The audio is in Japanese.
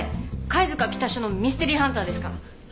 貝塚北署のミステリーハンターですから。